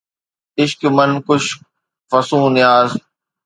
عشق من ڪُش فصون نياز